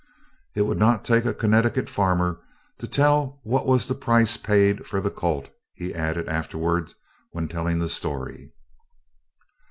"It would not take a Connecticut farmer to tell what was the price paid for the colt," he added afterward when telling the story.